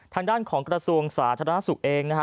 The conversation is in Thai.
ทางด้านของกระทรวงสาธารณสุขเองนะฮะ